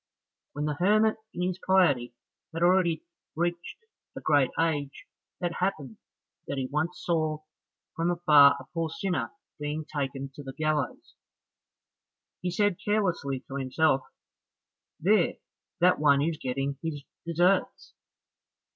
When the hermit in his piety had already reached a great age, it happened that he once saw from afar a poor sinner being taken to the gallows. He said carelessly to himself, "There, that one is getting his deserts!"